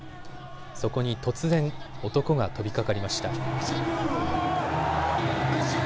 そこに突然、男が飛びかかりました。